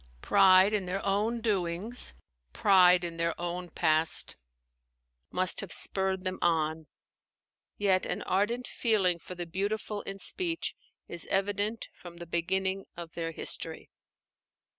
Pride in their own doings, pride in their own past, must have spurred them on; yet an ardent feeling for the beautiful in speech is evident from the beginning of their history.